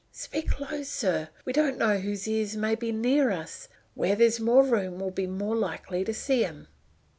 Speak low, sir! We don't know whose ears may be near us. Where there's more room we'd be more likely to see 'em."